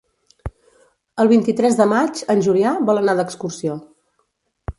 El vint-i-tres de maig en Julià vol anar d'excursió.